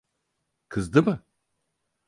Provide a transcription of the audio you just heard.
Kızdı mı?